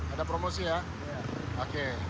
ada promosi ya